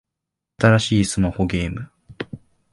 新しいスマホゲーム